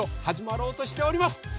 はじまろうとしております！